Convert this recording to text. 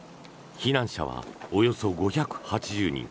避難者はおよそ５８０人。